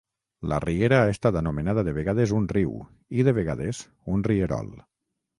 La riera ha estat anomenada de vegades un riu i, de vegades, un rierol.